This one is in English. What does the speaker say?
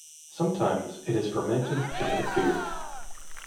Sometimes it is fermented to make beer.